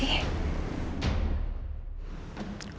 kok mama main rahasia rahasiaan sih